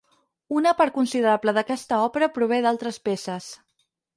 Una part considerable d'aquesta òpera prové d'altres peces.